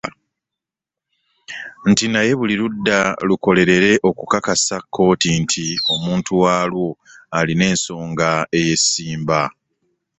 Nti naye buli ludda lukolerere okukakasa kkooti nti omuntu waalwo alina ensonga ey'essimba.